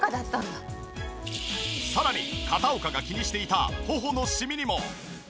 さらに片岡が気にしていた頬のシミにも。